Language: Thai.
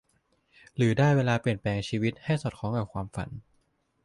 หรือได้เวลาเปลี่ยนแปลงชีวิตให้สอดคล้องกับความฝัน